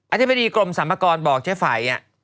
ธิบดีกรมสรรพากรบอกเจ๊ไฝ